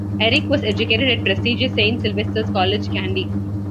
Eric was educated at Prestigious Saint Sylvester's College Kandy.